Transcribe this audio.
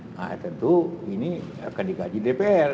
nah tentu ini akan dikaji dpr